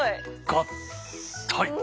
合体！